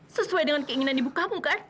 sesuai dengan keinginan ibu kamu kan